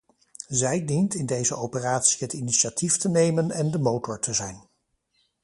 Zij dient in deze operatie het initiatief te nemen en de motor te zijn.